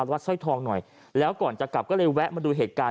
วัดสร้อยทองหน่อยแล้วก่อนจะกลับก็เลยแวะมาดูเหตุการณ์